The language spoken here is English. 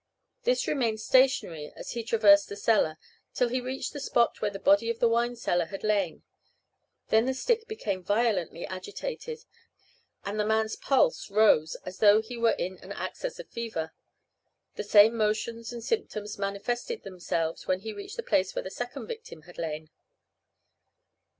This remained stationary as he traversed the cellar, till he reached the spot where the body of the wine seller had lain; then the stick became violently agitated, and the man's pulse rose as though he were in an access of fever. The same motions and symptoms manifested themselves when he reached the place where the second victim had lain.